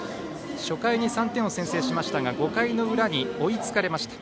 初回に３点を先制しましたが５回の裏に追いつかれました。